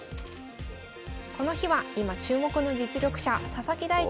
この日は今注目の実力者佐々木大地